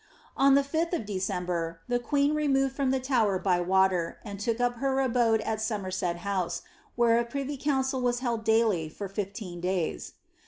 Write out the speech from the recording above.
On the 5th o( De cember, the queen removed from the Tower by water, and took up her abode at Somerset House, where a privy council was held daily for fifteen days.